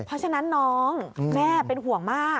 เพราะฉะนั้นน้องแม่เป็นห่วงมาก